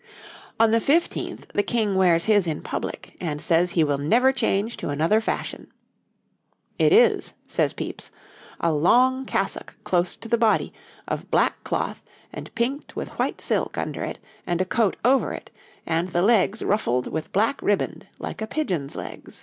On the fifteenth the King wears his in public, and says he will never change to another fashion. 'It is,' says Pepys, 'a long cassocke close to the body, of black cloth and pinked with white silk under it, and a coat over it, and the legs ruffled with black ribband like a pigeon's legs.'